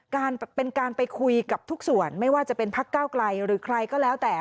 การเป็นการไปคุยกับทุกส่วนไม่ว่าจะเป็นพักเก้าไกลหรือใครก็แล้วแต่